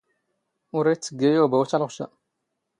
ⵓⵔ ⴷⴰ ⵉⵜⵜⴳⴳⴰ ⵢⴰⵏ ⵓⴱⴰⵡ ⵜⴰⵍⵅⵛⴰ